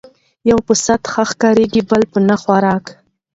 ـ يو په سعت ښه ښکاري بل په نه خوراک